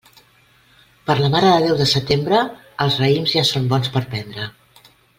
Per la Mare de Déu de setembre, els raïms ja són bons per prendre.